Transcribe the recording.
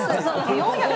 ４００